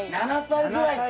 ７歳ぐらいか。